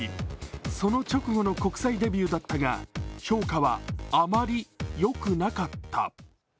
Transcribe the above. その直後の国際デビューだったが評価はあまりよくなかった。